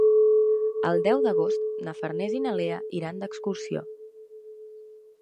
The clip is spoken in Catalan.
El deu d'agost na Farners i na Lea iran d'excursió.